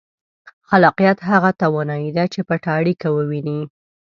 خلاقیت هغه توانایي ده چې پټه اړیکه ووینئ.